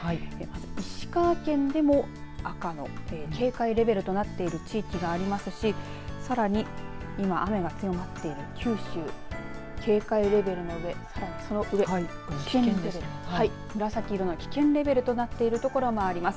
石川県でも赤の警戒レベルとなっている地域がありますしさらに今雨が強くなっている九州警戒レベルの上、さらにその上危険レベル、紫色の危険レベルとなっている所があります。